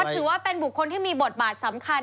ถือว่าเป็นบุคคลที่มีบทบาทสำคัญ